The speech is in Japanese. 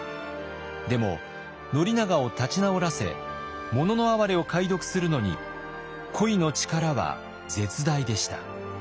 でも宣長を立ち直らせ「もののあはれ」を解読するのに恋の力は絶大でした。